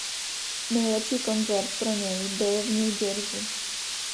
Nejlepší koncert pro něj byl v New Jersey.